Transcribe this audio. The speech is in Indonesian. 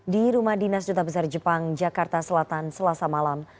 di rumah dinas duta besar jepang jakarta selatan selasa malam